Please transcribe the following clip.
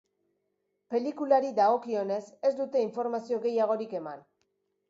Pelikulari dagokionez, ez dute informazio gehiagorik eman.